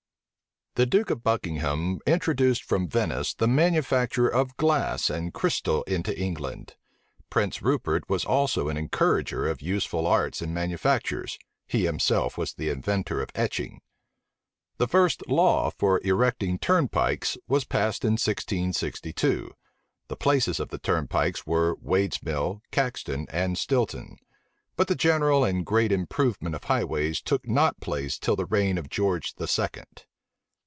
The duke of Buckingham introduced from Venice the manufacture of glass and crystal into England. Prince Rupert was also an encourager of useful arts and manufactures: he himself was the inventor of etching. The first law for erecting turnpikes was passed in 1662: the places of the turnpikes were Wadesmill, Caxton, and Stilton: but the general and great improvement of highways took not place till the reign of George II.